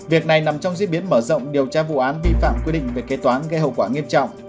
việc này nằm trong diễn biến mở rộng điều tra vụ án vi phạm quy định về kế toán gây hậu quả nghiêm trọng